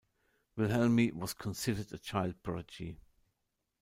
Wilhelmj was considered a child prodigy.